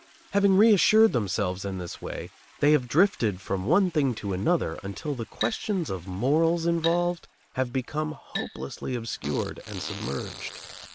Having reassured themselves in this way, they have drifted from one thing to another until the questions of morals involved have become hopelessly obscured and submerged.